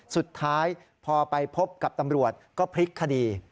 สุดท้ายพอไปพบกับตำรวจก็พลิกคดี